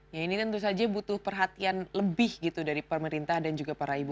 ya ini tentu saja butuh perhatian lebih gitu dari pemerintah dan juga para ibu